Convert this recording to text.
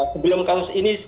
sebelum kampus ini